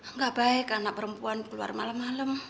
enggak baik anak perempuan keluar malam malam